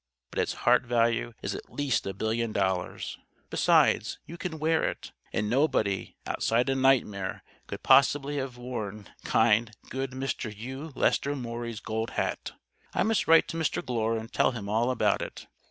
"But its heart value is at least a billion dollars. Besides you can wear it. And nobody, outside a nightmare, could possibly have worn kind, good Mr. Hugh Lester Maury's Gold Hat. I must write to Mr. Glure and tell him all about it.